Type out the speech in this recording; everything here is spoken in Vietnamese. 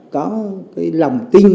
có cái lòng tin